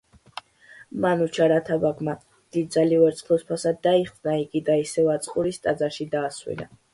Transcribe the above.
მანუჩარ ათაბაგმა დიდძალი ვერცხლის ფასად დაიხსნა იგი და ისევ აწყურის ტაძარში დაასვენა.